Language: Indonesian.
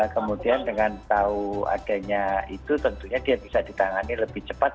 kemudian dengan tahu adanya itu tentunya dia bisa ditangani lebih cepat